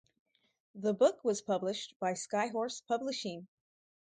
The book was published by Skyhorse Publishing.